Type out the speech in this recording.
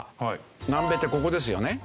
南米ってここですよね。